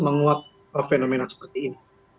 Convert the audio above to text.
menguap fenomena seperti ini